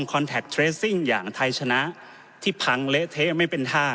แท็กเทรสซิ่งอย่างไทยชนะที่พังเละเทะไม่เป็นท่า